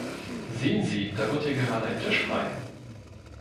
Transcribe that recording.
Sehen Sie! Da wird ja gerade ein Tisch frei.